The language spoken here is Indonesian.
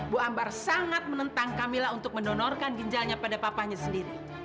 bu ambar sangat menentang camillah untuk mendonorkan ginjalnya pada papanya sendiri